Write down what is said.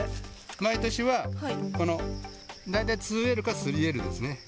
毎年は、大体２Ｌか３Ｌですね。